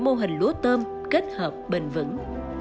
mô hình lúa tôm kết hợp bền vững